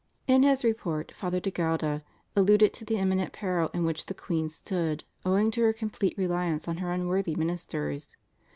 In his report Father de Gouda alluded to the imminent peril in which the queen stood owing to her complete reliance on her unworthy ministers.